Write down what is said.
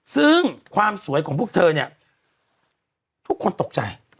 ซึ่งความสวยของพวกเธอเนี่ยทุกคนตกใจ